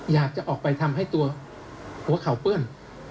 อยากจะออกไปทำให้ตัวหัวเข่าเปื้อน